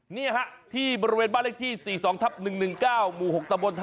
นี่ฮะที่บริเวณบ้านเลขที่๔๒ทับ๑๑๙หมู่๖ตะบน๕